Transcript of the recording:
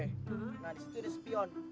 nah disitu ada sepion